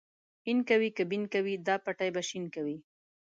اين کوې که بېن کوې دا پټی به شين کوې.